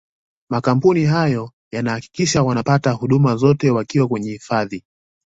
makampuni hayo yanahakikisha wanapata huduma zote wakiwa kwenye hifadhi